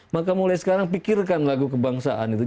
maka mulai sekarang pikirkan lagu kebangsaan itu